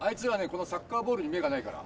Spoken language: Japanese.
このサッカーボールに目がないから。